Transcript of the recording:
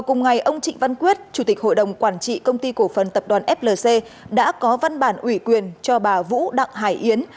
cùng ngày ông trịnh văn quyết chủ tịch hội đồng quản trị công ty cổ phần tập đoàn flc đã có văn bản ủy quyền cho bà vũ đặng hải yến